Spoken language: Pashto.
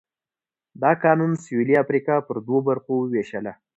دا قانون سوېلي افریقا پر دوو برخو ووېشله.